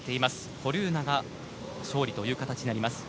ホルーナが勝利という形になります。